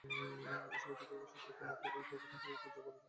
ঈশ্বরই কৃপাবশত তোমাকে ঐভাবে তাঁহার পূজা করিবার অধিকার দেন।